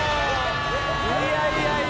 いやいやいや。